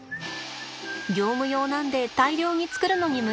業務用なんで大量に作るのに向いています。